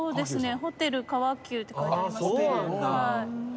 ホテル川久って書いてありますね。